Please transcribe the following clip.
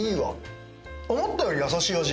思ったより優しい味。